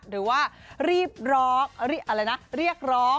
หรือว่ารีบร้องเรียกอะไรนะเรียกร้อง